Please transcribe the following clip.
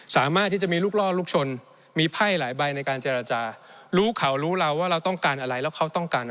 สามารถที่จะมีลูกล่อลูกชน